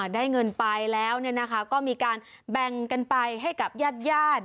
ได้เงินไปแล้วก็มีการแบ่งกันไปให้กับญาติญาติ